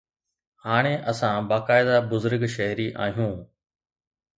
هاڻي اسان باقاعده بزرگ شهري آهيون.